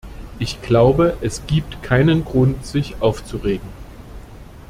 Ich glaube, es gibt keinen Grund, sich aufzuregen.